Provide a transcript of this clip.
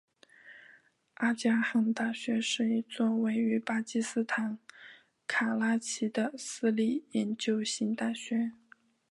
阿迦汗大学是一座位于巴基斯坦卡拉奇的私立研究型大学。